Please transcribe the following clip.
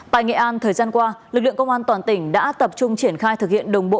tại nghệ an thời gian qua lực lượng công an toàn tỉnh đã tập trung triển khai thực hiện đồng bộ